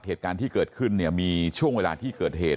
เหตุการณ์ที่เกิดขึ้นเนี่ยมีช่วงเวลาที่เกิดเหตุ